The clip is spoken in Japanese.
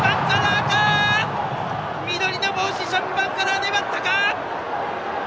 緑の帽子、シャンパンカラー粘ったか！